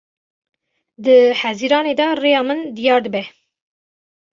Di hezîranê de rêya min diyar dibe.